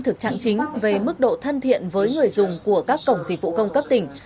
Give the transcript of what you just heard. thực trạng chính về mức độ thân thiện với người dùng của các cổng dịch vụ công cấp tỉnh